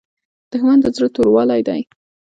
دښمن د زړه توروالی دی